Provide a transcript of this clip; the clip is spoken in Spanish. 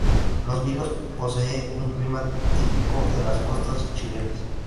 Los Vilos posee un clima típico de las costas chilenas.